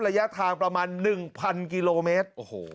ระยะทางประมาณ๑๐๐กิโลเมตร